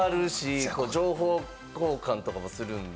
情報交換とかもするんで。